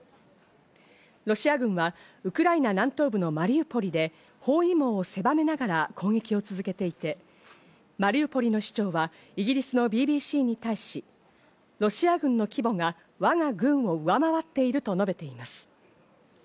ロシア軍はウクライナ南東部のマリウポリで、包囲網を狭めながら攻撃を続けていて、マリウポリの市長はイギリスのＢＢＣに対し、ロシア軍の規模がわが軍を上回っていると述べています。